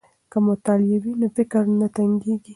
که مطالع وي نو فکر نه تنګیږي.